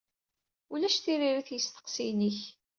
Ulac tiririt i isteqsiyen-ik.